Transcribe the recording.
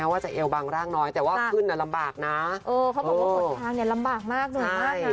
เออเขาบอกว่าขนทางลำบากมากนะ